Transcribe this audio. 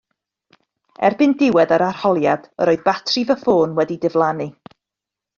Erbyn diwedd yr arholiad, yr oedd batri fy ffôn wedi diflannu